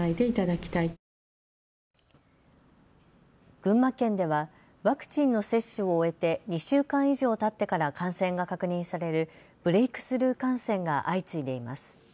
群馬県では、ワクチンの接種を終えて２週間以上たってから感染が確認されるブレイクスルー感染が相次いでいます。